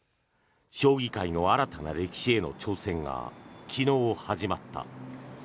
将棋界の新たな歴史への挑戦が昨日始まった。